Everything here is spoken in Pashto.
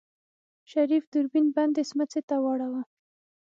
شريف دوربين بندې سمڅې ته واړوه.